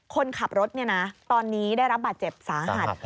คนขับรถตอนนี้ได้รับบาดเจ็บสาหัส